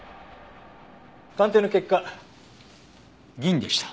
鑑定の結果銀でした。